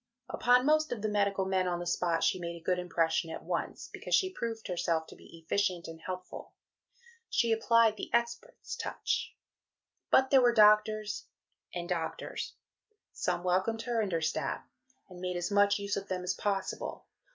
Upon most of the medical men on the spot she made a good impression at once, because she proved herself to be efficient and helpful. She applied the expert's touch. But there were doctors and doctors. Some welcomed her and her staff, and made as much use of them as possible.